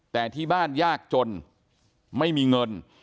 แต่ที่บ้านยากจนไม่มีเงิน